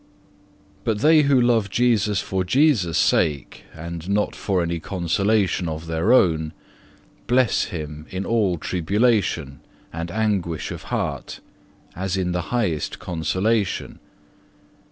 2. But they who love Jesus for Jesus' sake, and not for any consolation of their own, bless Him in all tribulation and anguish of heart as in the highest consolation.